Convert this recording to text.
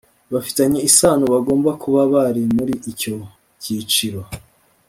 bafitanye isano bagomba kuba bari muri icyo cyiciro